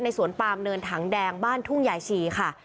ในสวนปามเนินถังแดงบ้านทุ่งหญ่า่ีศรีค่ะ